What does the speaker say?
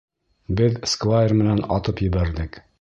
Беҙ сквайр менән атып ебәрҙек.